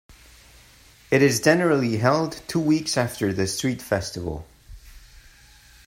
It is generally held two weeks after the street festival.